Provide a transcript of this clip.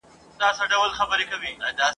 ورته راغله د برکلي د ښکاریانو !.